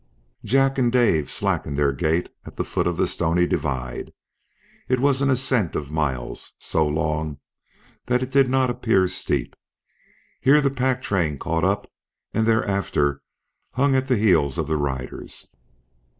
Jack and Dave slackened their gait at the foot of the stony divide. It was an ascent of miles, so long that it did not appear steep. Here the pack train caught up, and thereafter hung at the heels of the riders.